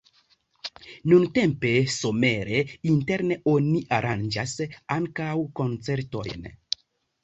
Nuntempe somere interne oni aranĝas ankaŭ koncertojn.